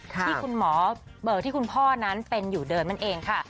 ที่คุณหมอเบอร์ที่คุณพ่อนั้นเป็นอยู่เดิมนั่นเองค่ะ